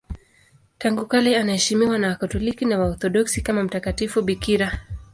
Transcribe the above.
Tangu kale anaheshimiwa na Wakatoliki na Waorthodoksi kama mtakatifu bikira.